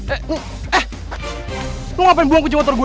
eh eh lo ngapain buang kecil motor gue